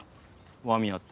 「和宮」って。